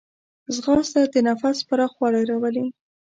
ځغاسته د نفس پراخوالی راولي